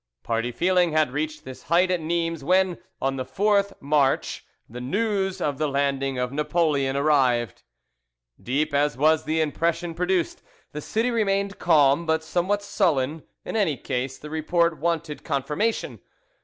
Party feeling had reached this height at Nimes when, on the 4th March, the news of the landing of Napoleon arrived. Deep as was the impression produced, the city remained calm, but somewhat sullen; in any case, the report wanted confirmation.